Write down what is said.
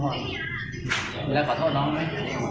มีแล้วขอโทษเราน้องไหม